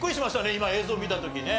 今映像見た時ね。